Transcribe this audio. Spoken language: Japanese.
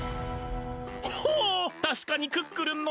ほうたしかにクックルンのようだな。